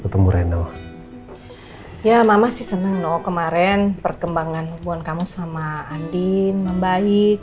ketemu rando ya mama sih senang no kemarin perkembangan hubungan kamu sama andin membaik